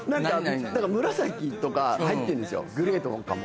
紫とか入ってんですよグレーとかも。